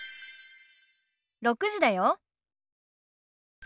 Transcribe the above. ６時だよ。